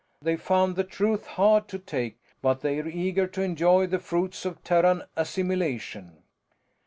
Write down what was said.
They found the truth hard to take, but they're eager to enjoy the fruits of Terran assimilation."